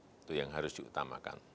itu yang harus diutamakan